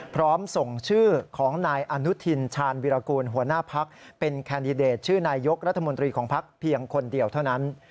พร้อมส่งชื่อของนายอนุทินชาญวิรากูลหัวหน้าพักเป็นแคนดิเดตชื่อนายยกรัฐมนตรีของพักเพียงคนเดียวเท่านั้น